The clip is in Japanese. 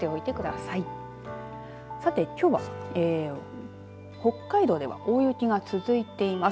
さて、きょうは北海道では大雪が続いています。